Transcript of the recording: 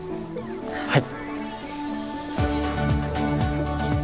はい。